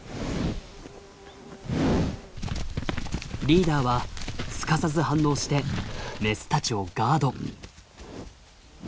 リーダーはすかさず反応してメスたちをガード。